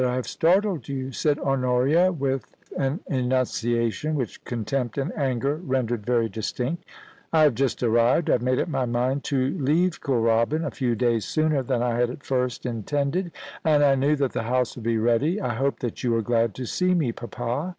I did not know 132 POLICY AND PASSION, an enunciation which contempt and anger rendered very distinct * I have just arrived I made up my mind to leave Kooralbyn a few days sooner than I had at first in tended, and I knew that the house would be ready. I hope that you are glad to see me, papa.'